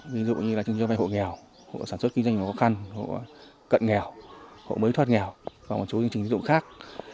ví dụ như là cho vay hộ nghèo hộ sản xuất kinh doanh khó khăn hộ cận nghèo hộ mới thoát nghèo và một số chương trình tín dụng khác